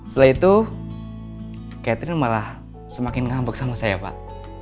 setelah itu catherine malah semakin ngambek sama saya pak